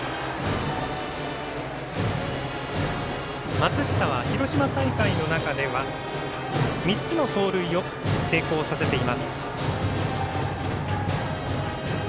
松下は広島大会の中では３つの盗塁を成功させています。